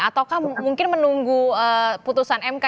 atau kamu mungkin menunggu putusan mk